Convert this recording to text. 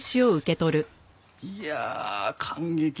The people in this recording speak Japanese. いやあ感激です！